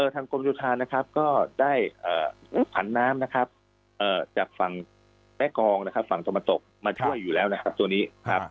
ทางกรมชนประธานก็ได้ผันน้ำจากฝั่งแม่กองฝั่งตมตกมาช่วยอยู่แล้วนะครับตัวนี้